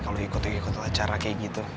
kalau ikut ikut acara kayak gitu